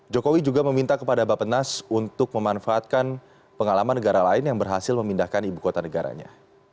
jokowi juga meminta kepada bapak nas untuk memanfaatkan pengalaman negara lain yang berhasil memindahkan ibu kota negaranya